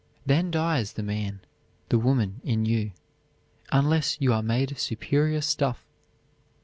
Then dies the man, the woman in you, unless you are made of superior stuff.